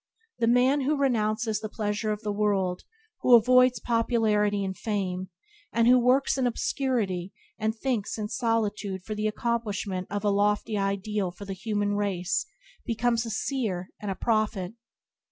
The man who renounces the pleasure of the world, who avoids popularity and fame, and who works in obscurity and thinks in solitude for the accomplishment of a lofty ideal for the human race, becomes a seer and a prophet.